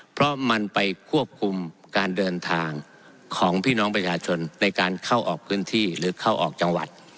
เพราะมันไปควบคุมการเดินทางของพี่น้องประชาชนในการเข้าออกพื้นที่หรือเข้าออกจังหวัด